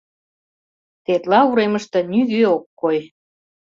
Тетла уремыште нигӧ ок кой.